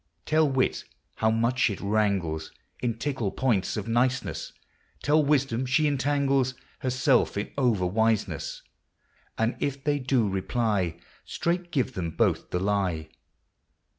Tell wit how much it wrangles In tickle points of nicenesse ; Tell wisedome she entangles Herselfe in over Avisenesse ; And if they doe reply, Straight give them both the lye.